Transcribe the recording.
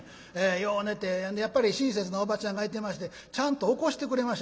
よう寝てやっぱり親切なおばちゃんがいてましてちゃんと起こしてくれまして。